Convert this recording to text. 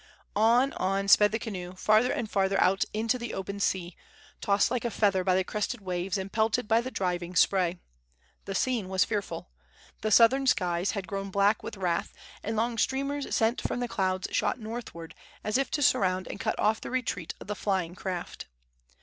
On, on sped the canoe, farther and farther out into the open sea, tossed like a feather by the crested waves and pelted by the driving spray. The scene was fearful. The southern skies had grown black with wrath, and long streamers sent from the clouds shot northward as if to surround and cut off the retreat of the flying craft.